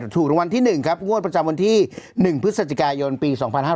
ถูกรางวัลที่หนึ่งงวดประจำวนที่หนึ่งพฤศจิกายนปี๒๕๖๐